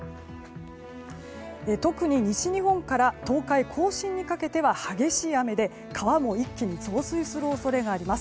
特に西日本から東海、甲信にかけては激しい雨で、川も一気に増水する恐れがあります。